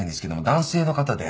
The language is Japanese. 男性の方で。